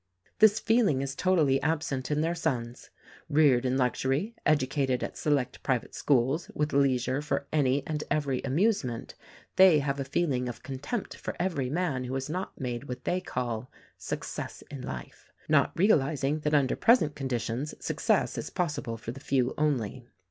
"This feeling is totally absent in their sons. Reared in luxury, educated at select private schools, with leisure for any and every amusement, they have a feeling of con tempt for every man who has not made what they call ;* 'success' in life — not realizing that under present conditions success is possible for the few only.